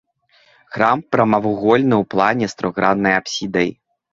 Храм прамавугольны ў плане, з трохграннай апсідай.